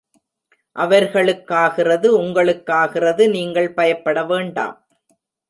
அவர்களுக் காகிறது உங்களுக்காகிறது நீங்கள் பயப்பட வேண்டாம்.